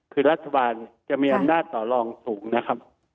คือรัฐบาลจะมีอำนาจต่อรองสูงนะครับ